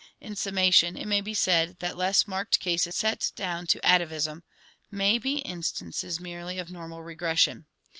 In summation it may be said that "less marked cases set down to atavism may be instances merely of normal regression.